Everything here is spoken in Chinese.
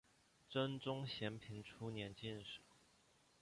真宗咸平初年进士。